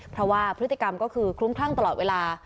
เพราะว่าพฤติกรรมก็คือคลุ้มคลั่งตลอดเวลา